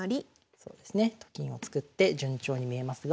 そうですね。と金を作って順調に見えますが。